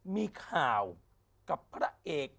มีข่าวกับพระเอก